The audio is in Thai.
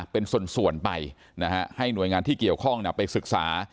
เป็นส่วนไปนะฮะให้หน่วยงานที่เกี่ยวข้องไปศึกษา